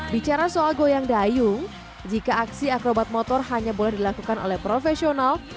bicara soal goyang dayung jika aksi akrobat motor hanya boleh dilakukan oleh profesional